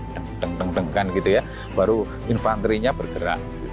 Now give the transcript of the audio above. yang deng deng dengkan gitu ya baru infanterinya bergerak